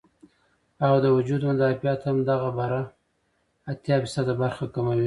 او د وجود مدافعت هم دغه بره اتيا فيصده برخه کموي